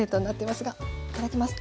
いただきます！